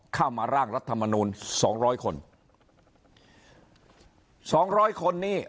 เข้ามาร่างรัฐมนูลสองร้อยคนสองร้อยคนนี้